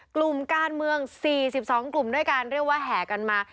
กลุ่มการเมือง๔๒กลุ่มด้วยกันเรียกว่าแห่กันมา